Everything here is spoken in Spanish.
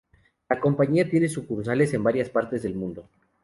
La compañía tiene sucursales en varias partes del mundo.